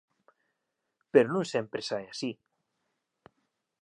Pero non sempre sae así.